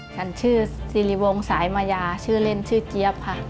ฉันชื่อสิริวงสายมายาชื่อเล่นชื่อเจี๊ยบค่ะ